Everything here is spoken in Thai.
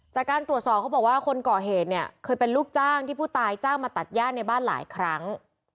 จากการตรวจสอบเขาบอกว่าคนก่อเหตุเนี่ยเคยเป็นลูกจ้างที่ผู้ตายจ้างมาตัดย่าในบ้านหลายครั้ง